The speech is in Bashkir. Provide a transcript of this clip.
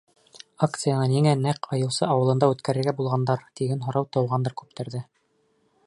Акцияны ниңә нәҡ Айыусы ауылында үткәрергә булғандар, тигән һорау тыуғандыр күптәрҙә.